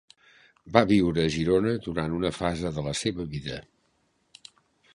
Va viure a Girona durant una fase de la seva vida.